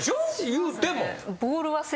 いうても。